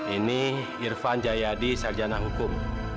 ini irfan jayadi sarjana hukum